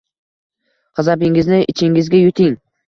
G‘azabingizni ichingizga yuting.